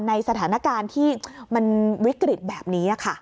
ในสถานการณ์ที่มันวิกฤตแบบนี้ค่ะ